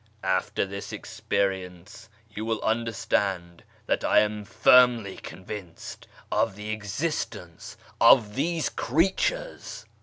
After this experience you will understand that I am firmly convinced of the exist ence of these creatures."